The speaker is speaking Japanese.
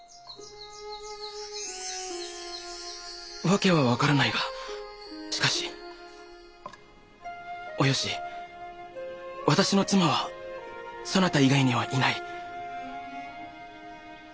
訳は分からないがしかしおよし私の妻はそなた以外にはいない。